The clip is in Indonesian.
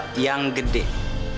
artinya ilah excellent engineering